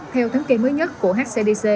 theo tháng kỳ mới nhất của hcdc